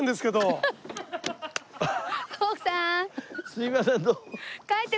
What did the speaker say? すいませんどうも。